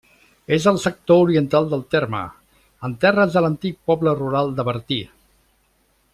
És al sector oriental del terme, en terres de l'antic poble rural de Bertí.